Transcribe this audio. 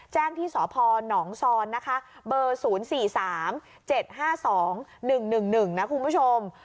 ที่สพหนองซอนนะคะเบอร์๐๔๓๗๕๒๑๑๑นะคุณผู้ชม